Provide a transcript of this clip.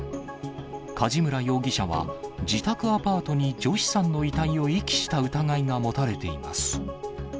梶村容疑者は、自宅アパートにジョシさんの遺体を遺棄した疑いが持たれています。